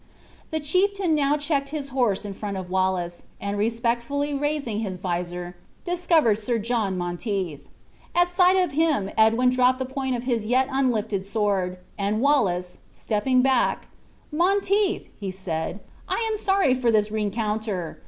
The chieftain now checked his horse in front of Wallace, and respectfully raising his visor, discovered Sir John Monteith. At sight of him Edwin dropped the point of his yet unlifted sword; and Wallace, stepping back, "Monteith," said he, "I am sorry for this rencounter.